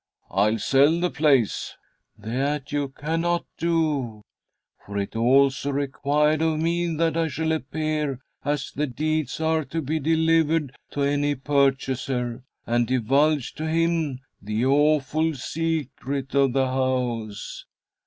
"I'll sell the place." "That you cannot do, for it is also required of me that I shall appear as the deeds are to be delivered to any purchaser, and divulge to him the awful secret of the house."